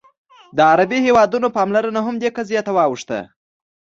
د عربي هېوادونو پاملرنه هم دې قضیې ته واوښته.